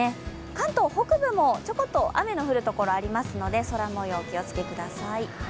関東北部もちょこっと雨の降るところがありますので空もよう、お気をつけください。